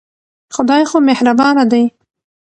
خدای خو مهربانه دی.